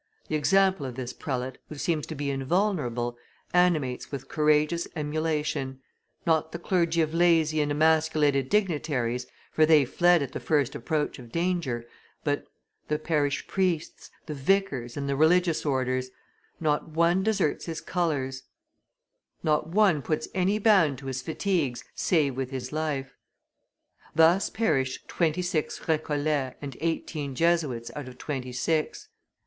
The example of this prelate, who seems to be invulnerable, animates with courageous emulation not the clergy of lazy and emasculated dignitaries, for they fled at the first approach of danger, but the parish priests, the vicars and the religious orders; not one deserts his colors, not one puts any bound to his fatigues save with his life. Thus perished twenty six Recollects and eighteen Jesuits out of twenty six.